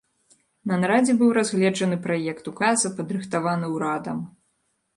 На нарадзе быў разгледжаны праект указа, падрыхтаваны ўрадам.